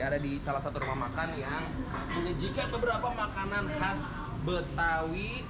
ada di salah satu rumah makan yang menyajikan beberapa makanan khas betawi